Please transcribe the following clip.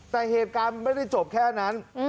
แต่เหตุการณ์มันไม่ได้จบแค่นั้น